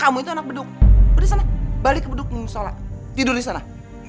kamu itu anak beduk udah sana balik ke beduk minggu sholat tidur disana